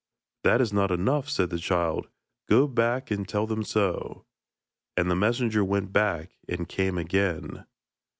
'That is not enough,' said the child; 'go back and tell them so.' And the messenger went back and came again.